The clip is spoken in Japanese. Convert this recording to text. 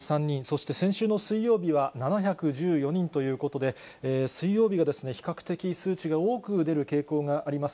きのうは５９３人、そして先週の水曜日は７１４人ということで、水曜日が比較的数値が多く出る傾向があります。